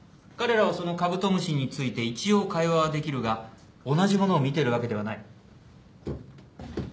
彼らはそのカブトムシについて一応会話はできるが同じものを見てるわけではない。